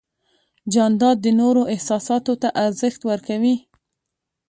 جانداد د نورو احساساتو ته ارزښت ورکوي.